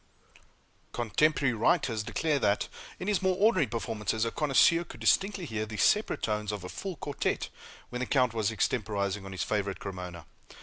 Cotemporary writers declare that, in his more ordinary performances, a connoisseur could distinctly hear the separate tones of a full quartet when the count was extemporizing on his favorite Cremona.